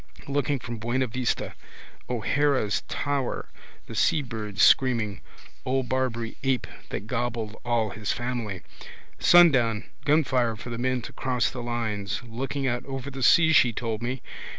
Looking from Buena Vista. O'Hara's tower. The seabirds screaming. Old Barbary ape that gobbled all his family. Sundown, gunfire for the men to cross the lines. Looking out over the sea she told me.